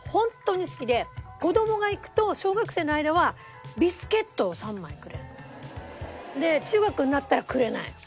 子供が行くと小学生の間はビスケットを３枚くれるの。で中学になったらくれないの。